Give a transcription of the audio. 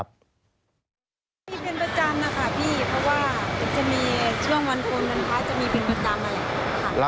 พี่เป็นประจำนะค่ะพี่เพราะว่าจะมีช่วงวันพรวันพระจะมีเป็นประจำอะไร